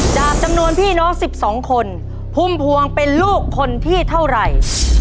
จากจำนวนพี่น้อง๑๒คนพุ่มพวงเป็นลูกคนที่เท่าไหร่